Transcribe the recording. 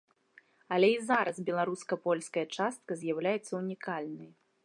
Але і зараз беларуска-польская частка з'яўляецца ўнікальнай.